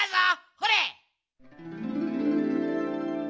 ほれ！